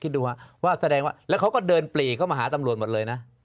ดูฮะว่าแสดงว่าแล้วเขาก็เดินปลีเข้ามาหาตำรวจหมดเลยนะ